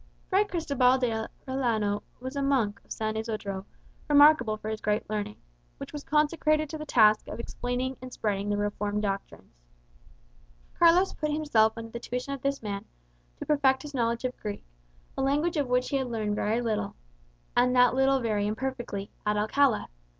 Fray Cristobal D'Arellano was a monk of San Isodro, remarkable for his great learning, which was consecrated to the task of explaining and spreading the Reformed doctrines. Carlos put himself under the tuition of this man, to perfect his knowledge of Greek, a language of which he had learned very little, and that little very imperfectly, at Alcala.